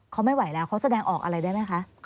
เขาไม่ไหวแล้วเขาแสดงออกอะไรได้ไหมคะ